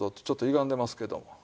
ちょっといがんでますけども。